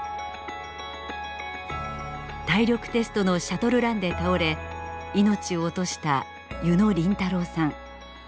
体力テストのシャトルランで倒れいのちを落とした柚野凜太郎さん。